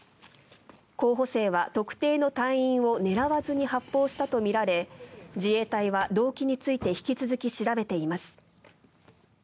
候補生は特定の隊員を狙わずに発砲したとみられ自衛隊は動機について引き続き調べています。